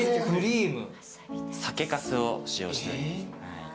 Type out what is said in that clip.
酒かすを使用しております。